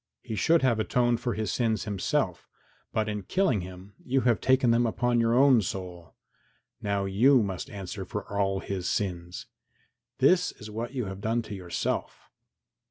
He should have atoned for his sins himself, but in killing him you have taken them upon your own soul. Now you must answer for all his sins. This is what you have done to yourself.